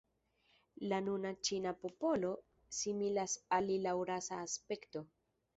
La nuna ĉina popolo similas al li laŭ rasa aspekto.